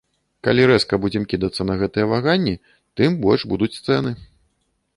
Калі рэзка будзем кідацца на гэтыя ваганні, тым больш будуць цэны.